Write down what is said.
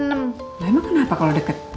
emang kenapa kalau deket